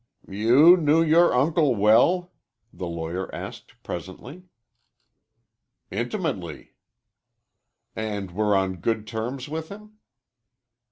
"You knew your uncle well?" the lawyer asked presently. "Intimately." "And were on good terms with him?"